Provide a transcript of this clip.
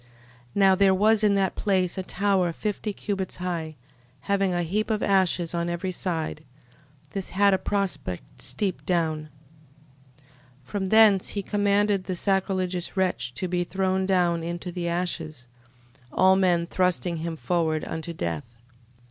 13:5. Now there was in that place a tower fifty cubits high, having a heap of ashes on every side: this had a prospect steep down. 13:6. From thence he commanded the sacrilegious wretch to be thrown down into the ashes, all men thrusting him forward unto death.